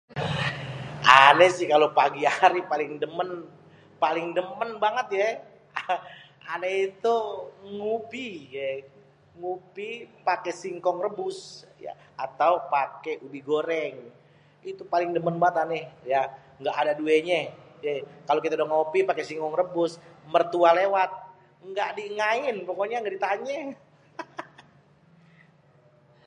Ane sih kalo pagi hari paling demen, paling demen banget ye ane itu ngupi, ye. Ngupi pake singkong rebus atau pake ubi goreng. Itu paling demen banget ane ya, nggak ade duenye, ya. Kalo kita udeh ngopi pake singkong rebus, mertua lewat, nggak diengain pokonye nggak ditanye, hahaha.